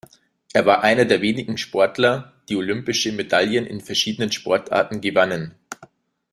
Er war einer der wenigen Sportler, die olympische Medaillen in verschiedenen Sportarten gewannen.